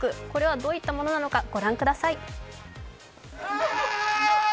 どういったものなのか御覧ください。